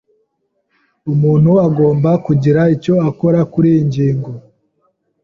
Umuntu agomba kugira icyo akora kuriyi ngingo.